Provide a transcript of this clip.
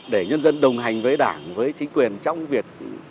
để nhân dân đồng hành với đảng với chính quyền trong việc